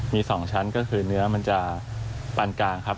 มี๒ชั้นก็คือเนื้อมันจะปานกลางครับ